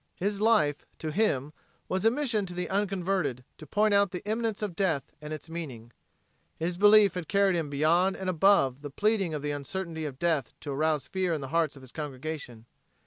His life, to him, was a mission to the unconverted to point out the imminence of death and its meaning. His belief had carried him beyond and above the pleading of the uncertainty of death to arouse fear in the hearts of his congregation.